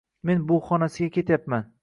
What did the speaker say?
Men bug 'xonasiga ketyapman